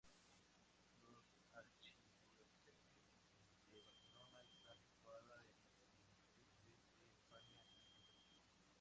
La archidiócesis de Barcelona está situada en el noroeste de España, en Cataluña.